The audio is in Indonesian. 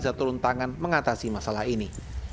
bisa turun tangan mengatasi masalah ini